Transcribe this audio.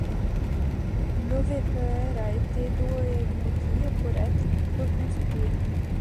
L'Hoverport a été démoli pour être reconstruit.